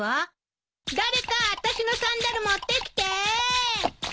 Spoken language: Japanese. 誰かあたしのサンダル持ってきてー！